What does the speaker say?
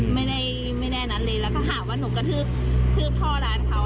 ไม่ได้ไม่แน่นั้นเลยแล้วก็หาว่าหนูกระทืบท่อร้านเขา